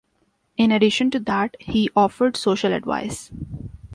In addition to that, he offered social advice.